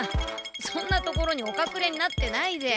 そんな所におかくれになってないで。